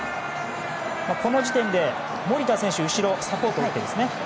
この時点で守田選手が後ろにサポートに入っています。